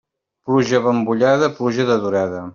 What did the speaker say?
Pluja abambollada, pluja de durada.